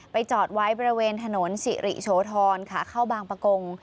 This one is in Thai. จอดไว้บริเวณถนนสิริโสธรขาเข้าบางประกง